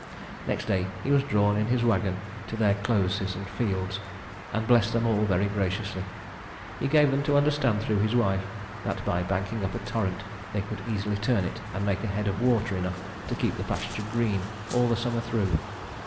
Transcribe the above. Next day he was drawn in his wagon to their closes and fields, and blessed them all very graciously. He gave them to understand through his wife that by banking up a torrent they could easily turn it and make a head of water enough to keep the pasture green all the summer through.